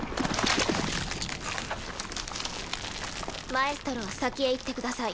マエストロは先へ行ってください。